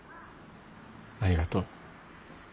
ありがとう。